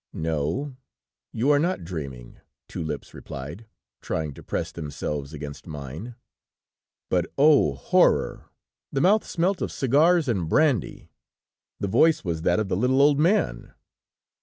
"'No, you are not dreaming,' two lips replied, trying to press themselves against mine. "But, oh! horror! The mouth smelt of cigars and brandy! The voice was that of the little old man!